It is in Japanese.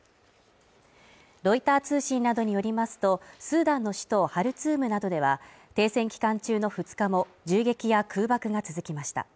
ロイター通信などによりますと、スーダンの首都ハルツームなどでは停戦期間中の２日も銃撃や空爆が続きました。